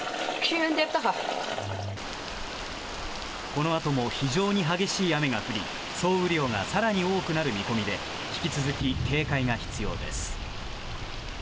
この後も非常に激しい雨が降り、総雨量がさらに多くなる見込みで、引き続き警戒が必要です。